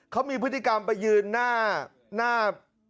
เขามีพฤติกรรมไปยืนหน้า